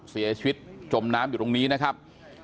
เสียชลิดจมน้ำอยู่ตรงนี้นะครับ